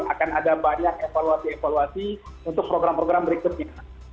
akan ada banyak evaluasi evaluasi untuk program program berikutnya